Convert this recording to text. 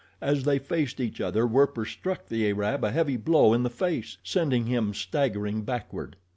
As they faced each other Werper struck the Arab a heavy blow in the face, sending him staggering backward.